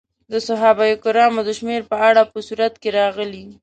د صحابه کرامو د شمېر په اړه په سورت کې راغلي.